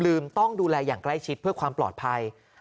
ต้องดูแลอย่างใกล้ชิดเพื่อความปลอดภัย